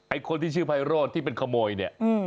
คนที่ชื่อไพโรธที่เป็นขโมยเนี่ย